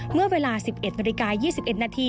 เมื่อเวลา๑๑น๒๑น